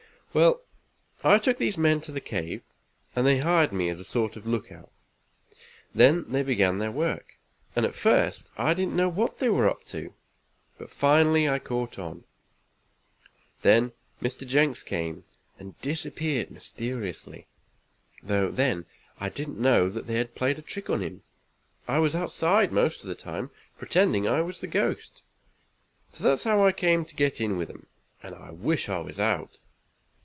"Well, I took these men to the cave, and they hired me as a sort of lookout. Then they began their work, and at first I didn't know what they were up to, but finally I caught on. Then Mr. Jenks came, and disappeared mysteriously, though then I didn't know that they had played a trick on him. I was outside most of the time, pretending I was the ghost. So that's how I came to get in with 'em, and I wish I was out."